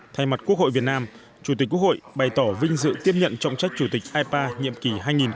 thay mặt quốc hội việt nam chủ tịch quốc hội bày tỏ vinh dự tiếp nhận trọng trách chủ tịch ipa nhiệm kỳ hai nghìn hai mươi hai nghìn hai mươi